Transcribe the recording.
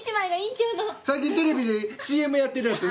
最近テレビでＣＭやってるやつ。